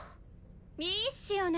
・いいっすよね・